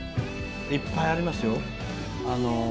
いっぱいありますよ。